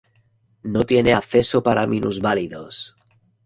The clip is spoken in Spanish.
No tiene acceso para minusválidos.